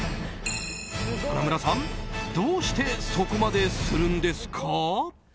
花村さんどうしてそこまでするんですか？